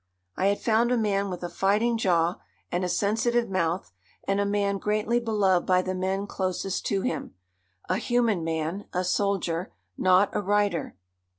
I had found a man with a fighting jaw and a sensitive mouth; and a man greatly beloved by the men closest to him. A human man; a soldier, not a writer.